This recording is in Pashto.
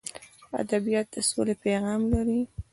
ادبیات د سولې پیغام لري.